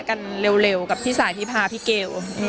กันเร็วกับพี่สายที่พาพี่เกล